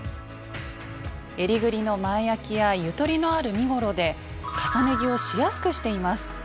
えりぐりの前あきやゆとりのある身ごろで重ね着をしやすくしています。